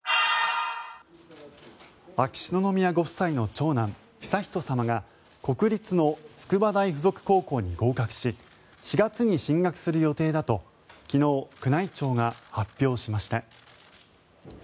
秋篠宮ご夫妻の長男悠仁さまが国立の筑波大附属高校に合格し４月に進学する予定だと昨日、宮内庁が発表しました。